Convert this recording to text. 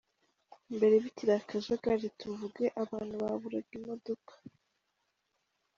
Mbere bikiri akajagari, tuvuge abantu baburaga imodoka.